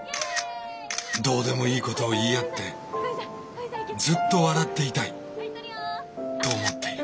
どうでもいいこと言い合ってずっと笑っていたいと思っている。